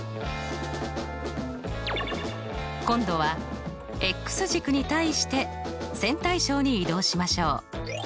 今度は軸に対して線対称に移動しましょう。